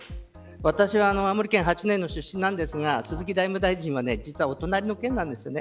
私は青森県八戸の出身ですが鈴木財務大臣はお隣の県なんです。